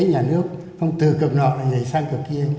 kinh tế nhà nước không từ cực nọ là nhảy sang cực kỳ